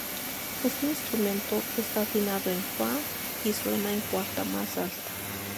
Este instrumento está afinado en "Fa", y suena una cuarta más alta.